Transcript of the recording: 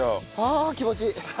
ああ気持ちいい！